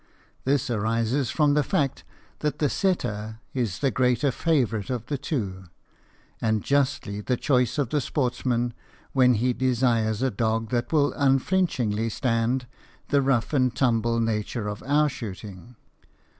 This arises from the fact that the setter is the greater favorite of the two, and justly the choice of the sportsman when he desires a dog that will unflinchingly stand the rough and tumble nature of our shooting.